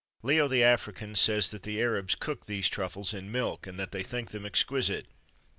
[XXIII 108] Leo the African, says that the Arabs cook these truffles in milk, and that they think them exquisite.